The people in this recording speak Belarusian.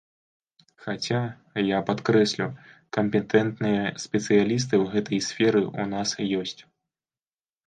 Хаця, я падкрэслю, кампетэнтныя спецыялісты ў гэтай сферы ў нас ёсць.